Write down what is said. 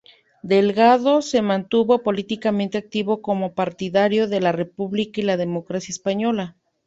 Delgado se mantuvo políticamente activo como partidario de la República y la democracia española.